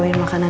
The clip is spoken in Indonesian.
ya makan ya